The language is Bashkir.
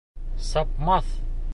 Сапмаҫ!